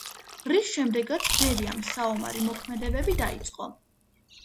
რის შემდეგაც ბერიამ საომარი მოქმედებები დაიწყო.